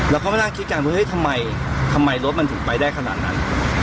แล้วเค้าไม่น่าคิดกันเฮ้ยทำไมทำไมรถมันถึงไปได้ขนาดนั้น